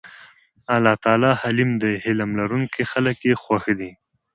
الله تعالی حليم دی حِلم لرونکي خلک ئي خوښ دي